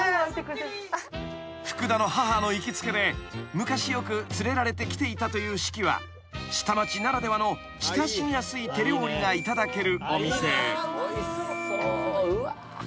［昔よく連れられて来ていたという四季は下町ならではの親しみやすい手料理がいただけるお店］